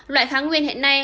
loại kháng nguyên hiện nay